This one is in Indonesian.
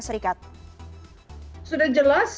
serikat sudah jelas